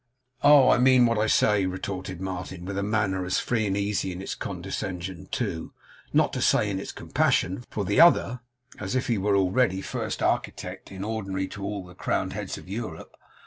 'Oh! I mean what I say,' retorted Martin, with a manner as free and easy in its condescension to, not to say in its compassion for, the other, as if he were already First Architect in ordinary to all the Crowned Heads in Europe.